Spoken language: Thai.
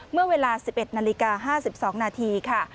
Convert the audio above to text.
เมื่อเวลา๑๑นาฬิกา๕๒นาทีค่ะ